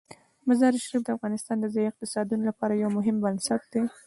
مزارشریف د افغانستان د ځایي اقتصادونو لپاره یو مهم بنسټ دی.